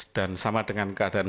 dan sama dengan keadaan